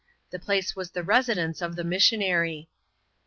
The place was the residence of the sussionarj.